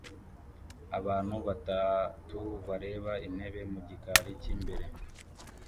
Abantu batatu bareba intebe mu gikari cy'imbere